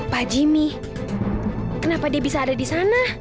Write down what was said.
pak jimmy kenapa dia bisa ada di sana